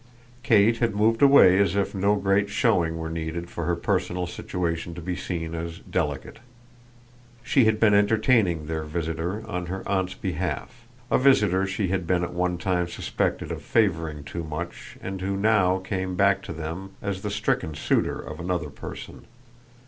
Kate had moved away as if no great showing were needed for her personal situation to be seen as delicate. She had been entertaining their visitor on her aunt's behalf a visitor she had been at one time suspected of favouring too much and who had now come back to them as the stricken suitor of another person.